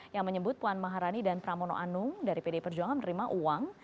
yang menyebut puan maharani dan pramono anung dari pdi perjuangan menerima uang